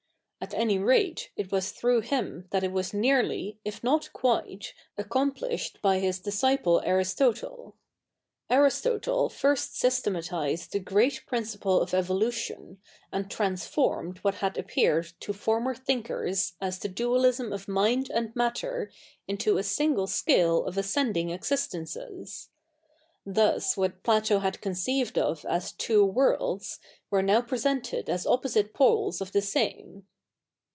At a7iy rate, it was through him that it was 7iearly, if 7iot quite, accomplished by his disciple Aristotle. 74 THE NEW REPUBLIC [bk. ii Aristotle first systematised the great prmciple of evolutio7i^ and transformed what had appeared to former thi7ikers as the dualism of mind and matter ifito a single scale of ascendi?ig existe?ices. Thus what Plato had co?iceived of as two worlds^ were now presented as opposite poles of the same.